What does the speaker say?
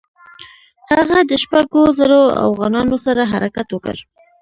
هغه د شپږو زرو اوغانانو سره حرکت وکړ.